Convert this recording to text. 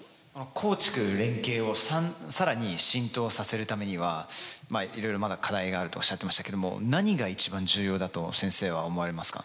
耕畜連携を更に浸透させるためにはいろいろまだ課題があるとおっしゃってましたけども何が一番重要だと先生は思われますか？